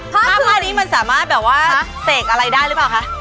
ผ้าคุณน้องขาวดีตลอดเลยค่ะ